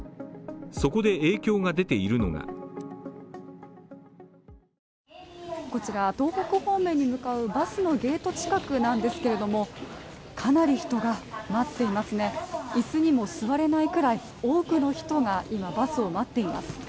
そこで影響が出ているのがこちら東北方面に向かうバスのゲート近くなんですけれどもかなり人が待っていますね、椅子にも座れないぐらい、多くの人が今、バスを待っています。